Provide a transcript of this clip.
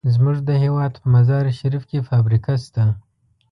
زمونږ د هېواد په مزار شریف کې فابریکه شته.